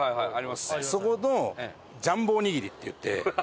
そこのジャンボおにぎりっていって。